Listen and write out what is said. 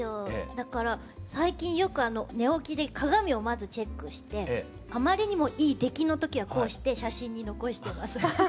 だから最近よく寝起きで鏡をまずチェックしてあまりにもいい出来の時はこうして写真に残しています。